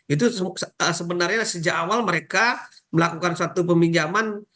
itu sebenarnya sejak awal mereka melakukan suatu peminjaman